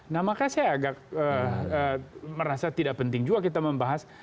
nah makanya saya agak merasa tidak penting juga kita membahas